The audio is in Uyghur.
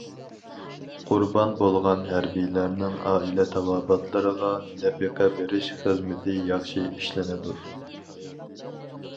قۇربان بولغان ھەربىيلەرنىڭ ئائىلە تاۋابىئاتلىرىغا نەپىقە بېرىش خىزمىتى ياخشى ئىشلىنىدۇ.